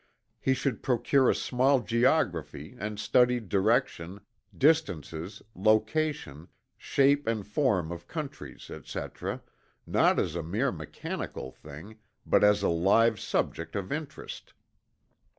He should procure a small geography and study direction, distances, location, shape and form of countries, etc., not as a mere mechanical thing but as a live subject of interest.